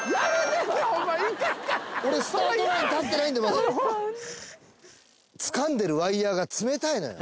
俺スタートライン立ってないんだからつかんでるワイヤが冷たいのよ